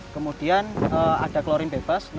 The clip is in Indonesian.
kemudian ada klorin bebas